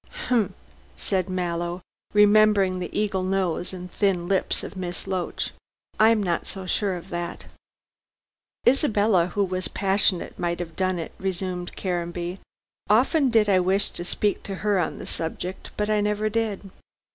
"Humph!" said Mallow, remembering the eagle nose and thin lips of Miss Loach. "I'm not so sure of that." "Isabella, who was passionate, might have done it," resumed Caranby, "often did I wish to speak to her on the subject, but I never did.